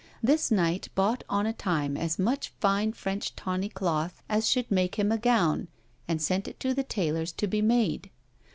This knight bought on a time as much fine French tawny cloth as should make him a gown, and sent it to the taylor's to be made.